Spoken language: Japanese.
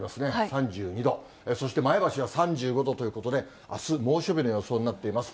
３２度、そして前橋は３５度ということで、あす猛暑日の予想になっています。